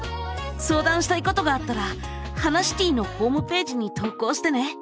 相談したいことがあったら「ハナシティ」のホームページに投稿してね。